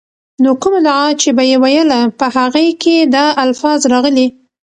نو کومه دعاء چې به ئي ويله، په هغې کي دا الفاظ راغلي: